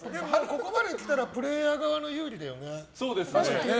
ここまで来たらプレーヤー側が有利だよね。